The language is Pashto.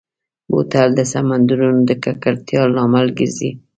بوتل د سمندرونو د ککړتیا لامل ګرځي.